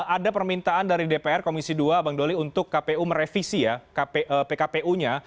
ada permintaan dari dpr komisi dua bang doli untuk kpu merevisi ya pkpu nya